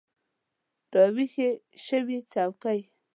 راویښې شوي څوکې